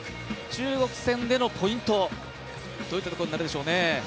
中国戦でのポイントどういったところになるでしょう。